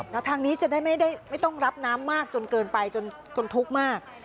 แล้วทางนี้จะได้ไม่ต้องรับน้ำมากจนเกินไปจนทุกข์มาก